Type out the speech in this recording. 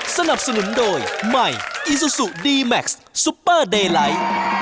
สนับสนุนโดยใหม่อีซูซูดีแม็กซ์ซุปเปอร์เดไลท์